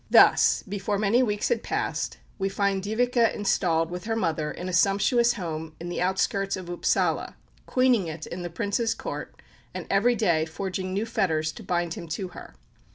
Thus, before many weeks had passed, we find Dyveke installed with her mother in a sumptuous home in the outskirts of Upsala, queening it in the Prince's Court, and every day forging new fetters to bind him to her.